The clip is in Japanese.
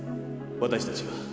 私たちは。